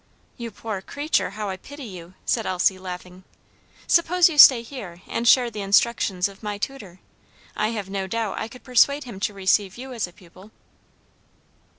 "You poor creature! how I pity you," said Elsie, laughing; "suppose you stay here and share the instructions of my tutor; I have no doubt I could persuade him to receive you as a pupil."